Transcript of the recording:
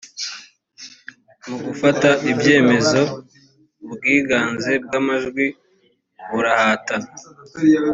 mu gufata ibyemezo ubwiganze bw amajwi burahatana